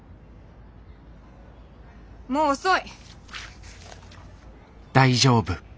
もう遅い。